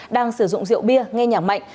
đang sử dụng rượu bia nghe nhạc mạnh